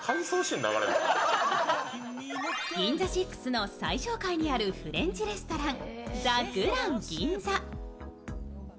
ＧＩＮＺＡＳＩＸの最上階にあるフレンチレストランＴＨＥＧＲＡＮＤＧＩＮＺＡ。